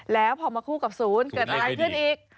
แล้วพอมาคู่กับศูนย์เกิดอะไรขึ้นอีก